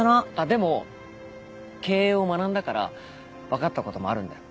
でも経営を学んだから分かったこともあるんだよ。